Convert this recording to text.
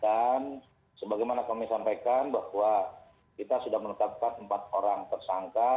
dan sebagaimana kami sampaikan bahwa kita sudah menetapkan empat orang tersangka